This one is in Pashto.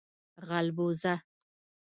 🐜 غلبوزه